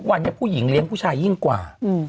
วันนี้ผู้หญิงเลี้ยงผู้ชายยิ่งกว่า